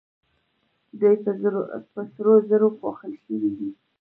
دوی په سرو زرو پوښل شوې وې